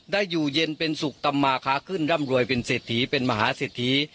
อยู่เย็นเป็นสุขตำมาค้าขึ้นร่ำรวยเป็นเศรษฐีเป็นมหาเศรษฐี